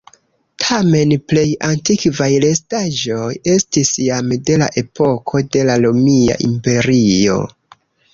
Tamen plej antikvaj restaĵoj estis jam de la epoko de la Romia Imperio.